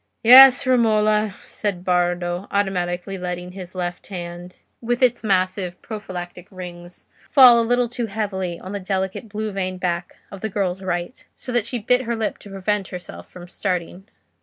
"Yes, Romola," said Bardo, automatically letting his left hand, with its massive prophylactic rings, fall a little too heavily on the delicate blue veined back of the girl's right, so that she bit her lip to prevent herself from starting.